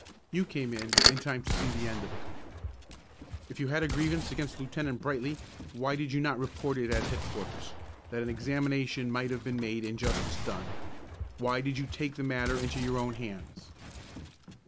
You came in in time to see the end of it." "If you had a grievance against Lieutenant Brightly, why did you not report it at headquarters, that an examination might have been made and justice done? Why did you take the matter into your own hands?"